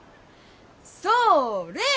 それ！